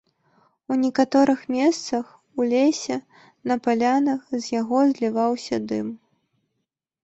У некаторых месцах, у лесе, на палянах, з яго зліваўся дым.